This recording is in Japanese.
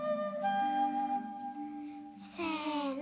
せの。